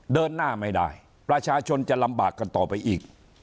เดินหน้าไม่ได้ประชาชนจะลำบากกันต่อไปอีก